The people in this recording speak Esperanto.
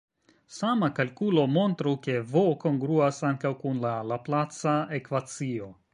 Sama kalkulo montru, ke "v" kongruas ankaŭ kun la laplaca ekvacio.